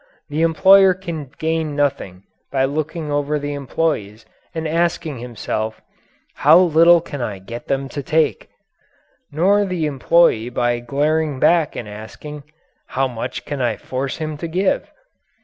The employer can gain nothing by looking over the employees and asking himself, "How little can I get them to take?" Nor the employee by glaring back and asking, "How much can I force him to give?"